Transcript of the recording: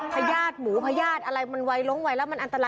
พญาติหมูพญาติอะไรมันวัยลงไวแล้วมันอันตราย